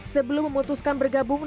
sebelum memutuskan bergabung